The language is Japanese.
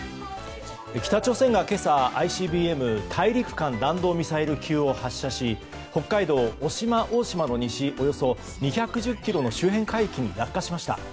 北朝鮮が今朝、ＩＣＢＭ・大陸間弾道ミサイル級を発射し北海道渡島大島の西およそ２１０ｋｍの周辺海域に落下しました。